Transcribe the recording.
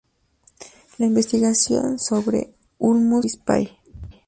La investigación sobre "Ulmus laevis" Pall.